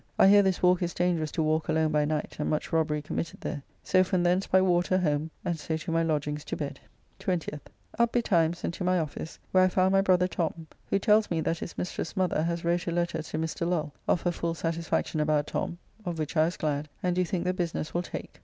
I hear this walk is dangerous to walk alone by night, and much robbery committed here. So from thence by water home, and so to my lodgings to bed. 20th. Up betimes and to my office, where I found my brother Tom, who tells me that his mistress's mother has wrote a letter to Mr. Lull of her full satisfaction about Tom, of which I was glad, and do think the business will take.